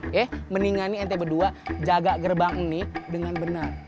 ya mendingan nih ente berdua jaga gerbang ini dengan benar